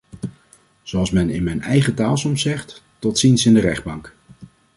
Zoals men in mijn eigen taal soms zegt: tot ziens in de rechtbank!